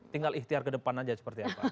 tinggal ikhtiar ke depan aja seperti apa